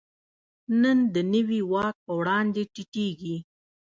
نن د نوي واک په وړاندې ټیټېږي.